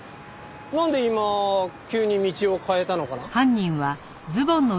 なんで今急に道を変えたのかな？